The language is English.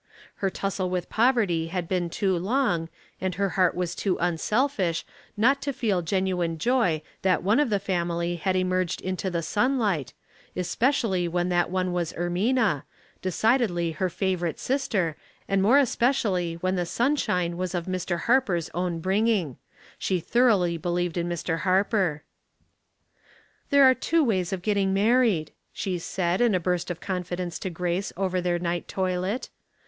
Her tussle with poverty had been too long, and her heart was too unselfish not to feel genuine joy that one of the family had emerged into the sunlight, especially when that one was Ermina, decidedly her favorite sister, and more especially when the sunshine was of Mr. Harper's own bringing; she thoroughly believed in Mr. Harper. " There are two ways of getting married," she said, in a burst of confidence to Grace over their ni<iht toilet.